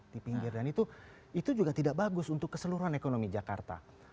dan itu juga tidak bagus untuk keseluruhan ekonomi jakarta